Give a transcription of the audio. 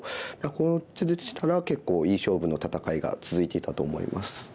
この図でしたら結構いい勝負の戦いが続いていたと思います。